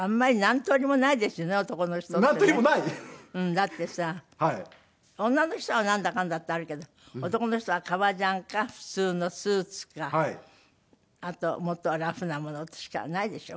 だってさ女の人はなんだかんだってあるけど男の人は革ジャンか普通のスーツかあともっとラフなものしかないでしょ？